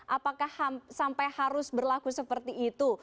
apakah sampai harus berlaku seperti itu